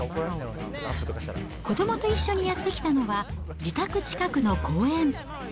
子どもと一緒にやって来たのは、自宅近くの公園。